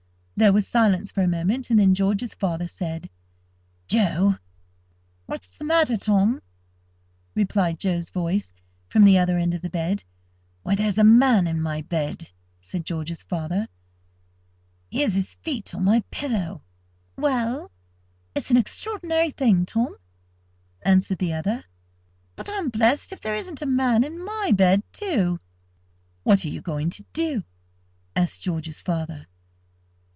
There was silence for a moment, and then George's father said: "Joe!" "What's the matter, Tom?" replied Joe's voice from the other end of the bed. "Why, there's a man in my bed," said George's father; "here's his feet on my pillow." "Well, it's an extraordinary thing, Tom," answered the other; "but I'm blest if there isn't a man in my bed, too!" "What are you going to do?" asked George's father.